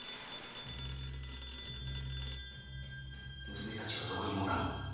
娘たちはどこにもおらぬ。